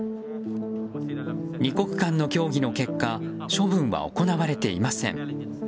２国間の協議の結果処分は行われていません。